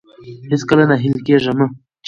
هېڅکله ناهيلي کېږئ مه.